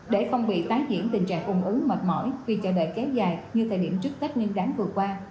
để không bị tái diễn tình trạng ủng ứng mệt mỏi vì chờ đợi kéo dài như thời điểm trước tết niên đáng vừa qua